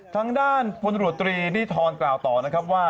ทางด้านพลตรวจตรีนิทรกล่าวต่อนะครับว่า